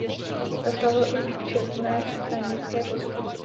Zastával i četné stranické posty.